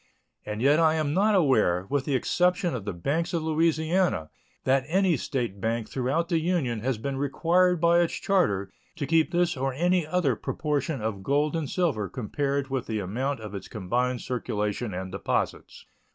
And yet I am not aware, with the exception of the banks of Louisiana, that any State bank throughout the Union has been required by its charter to keep this or any other proportion of gold and silver compared with the amount of its combined circulation and deposits.